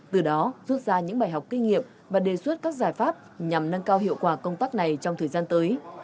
từ đó rút ra những bài học kinh nghiệm và đề xuất các giải pháp nhằm nâng cao hiệu quả công tác này trong thời gian tới